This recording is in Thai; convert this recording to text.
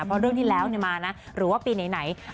เพราะเรื่องที่แล้วมานะหรือว่าปีไหน